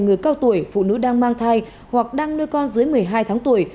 người cao tuổi phụ nữ đang mang thai hoặc đang nuôi con dưới một mươi hai tháng tuổi